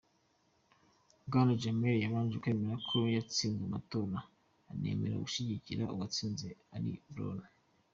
Bwana Jammeh yabanje kwemera ko yatsinzwe amatora anemera gushigikira uwatsinze ari Barrow.